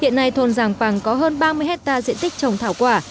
hiện nay thôn giàng bằng có hơn ba mươi hectare diện tích trồng thảo quả